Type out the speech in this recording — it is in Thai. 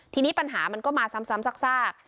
ทีนี้ปัญหามันก็มาซ้ำซาก